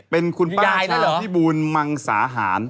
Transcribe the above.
เป็นคุณป้ากาศอาณภิบูนมังสาหาร